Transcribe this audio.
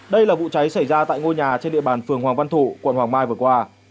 đây là vụ cháy xảy ra tại ngôi nhà trên địa bàn phường hoàng văn thụ quận hoàng mai vừa qua